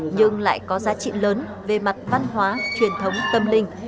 nhưng lại có giá trị lớn về mặt văn hóa truyền thống tâm linh